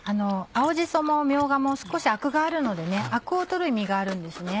青じそもみょうがも少しアクがあるのでアクを取る意味があるんですね。